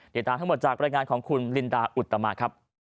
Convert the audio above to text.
เดี๋ยวตามทั้งหมดจากรายงานของคุณลินดาอุตมาตย์ครับ